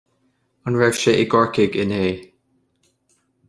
An raibh sé i gCorcaigh inné